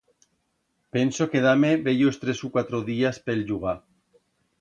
Penso quedar-me bellos tres u cuatro días pe'l llugar.